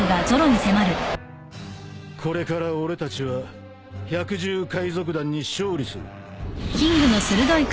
これから俺たちは百獣海賊団に勝利する。